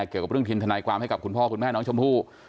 เกี่ยวกับเรื่องทีมทนายความให้กับคุณพ่อคุณแม่น้องชมพู่